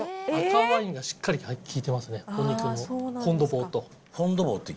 赤ワインがしっかり効いてますね、お肉のフォンドボーと。